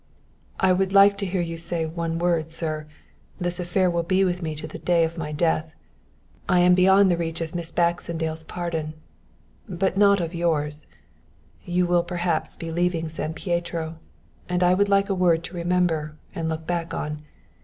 "I would like to hear you say one word, sir. This affair will be with me to the day of my death. I am beyond the reach of Miss Baxendale's pardon, but not of yours. You will perhaps be leaving San Pietro and I would like a word to remember and look back on.